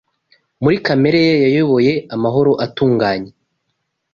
Muri kamere ye yayoboye Amahoro atunganye